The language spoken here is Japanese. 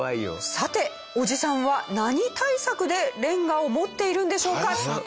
さておじさんは何対策でレンガを持っているんでしょうか？